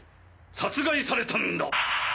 殺害されたんだ！